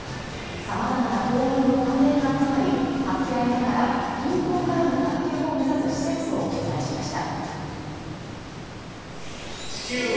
様々な境遇の家庭が集まり、助け合いながら貧困からの脱却を目指す施設を取材しました。